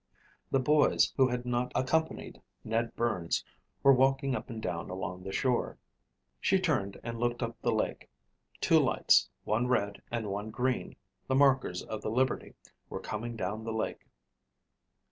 The boys who had not accompanied Ned Burns were walking up and down along the shore. She turned and looked up the lake. Two lights, one red and one green, the markers of the Liberty, were coming down the lake.